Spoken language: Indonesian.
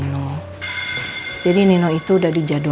wajahnya beda ovan